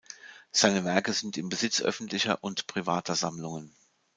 Seine Werke sind im Besitz öffentlicher und privater Sammlungen.